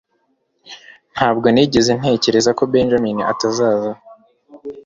Ntabwo nigeze ntekereza ko Benjamin atazaza.